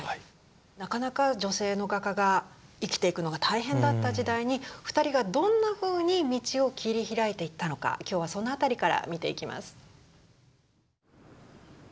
なかなか女性の画家が生きていくのが大変だった時代に２人がどんなふうに道を切り開いていったのか今日はその辺りから見ていきます。